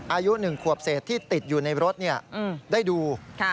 อายุ๑ขวบเศษที่ติดอยู่ในรถได้ดู